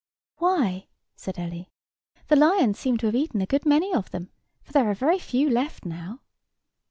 "Why," said Ellie, "the lions seem to have eaten a good many of them, for there are very few left now."